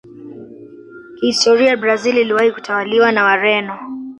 kihistori brazil iliwahi kutawaliwa na Wareno